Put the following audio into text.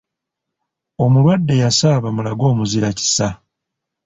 Omulwadde yasaba bamulage omuzira kisa.